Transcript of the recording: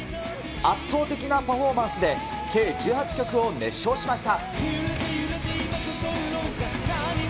圧倒的なパフォーマンスで計１８曲を熱唱しました。